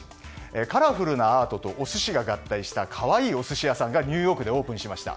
カラフルなアートとお寿司が合体したカワイイお寿司屋さんがニューヨークでオープンしました。